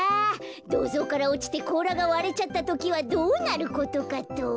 どうぞうからおちてこうらがわれちゃったときはどうなることかと。